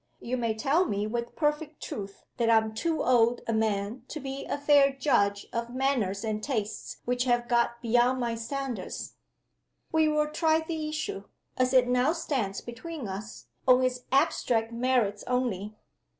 You may tell me with perfect truth that I am too old a man to be a fair judge of manners and tastes which have got beyond my standards. We will try the issue, as it now stands between us, on its abstract merits only.